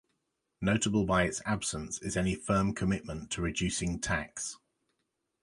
Notable by its absence is any firm commitment to reducing tax.